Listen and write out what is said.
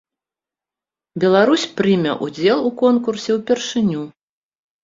Беларусь прыме ўдзел у конкурсе ўпершыню.